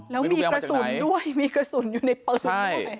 แล้วมีกระสุนด้วยมีกระสุนอยู่ในปืนด้วย